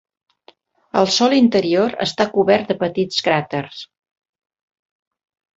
El sòl interior està cobert de petits cràters.